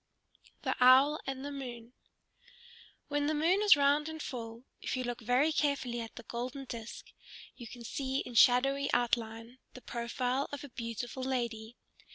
THE OWL AND THE MOON When the moon is round and full, if you look very carefully at the golden disk you can see in shadowy outline the profile of a beautiful lady.